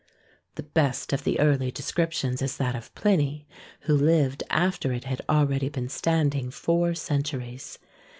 The best of the early descriptions is that of Pliny, who lived after it had already been standing four centuries.